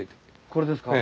これですか？